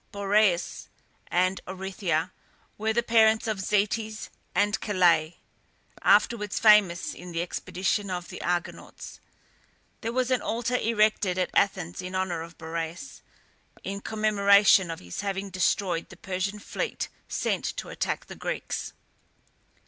Boreas and Oreithyia were the parents of Zetes and Calais, afterwards famous in the expedition of the Argonauts. There was an altar erected at Athens in honour of Boreas, in commemoration of his having destroyed the Persian fleet sent to attack the Greeks.